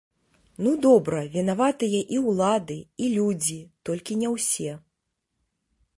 Ну добра, вінаватыя і ўлады, і людзі, толькі не ўсе.